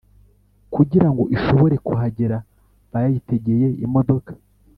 kugira ngo ishobore kuhagera bayitegeye imodoka